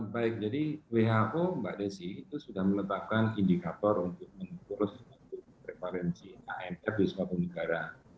baik jadi who mbak desi itu sudah meletakkan indikator untuk menurut prevalensi amr di seluruh negara